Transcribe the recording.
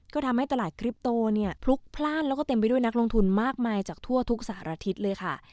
ก็ทำให้ตลาดกริปโตเนี่ยพลุกพลาดแล้วก็เต็มไปด้วยนักลงทุนมากมายจากทั่วทุกสารทิศเลยค่ะ